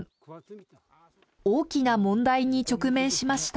大きな問題に直面しました。